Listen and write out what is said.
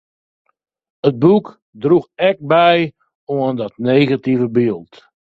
It boek droech ek by oan dat negative byld.